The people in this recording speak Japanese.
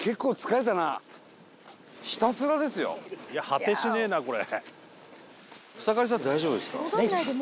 いや果てしねえなこれ。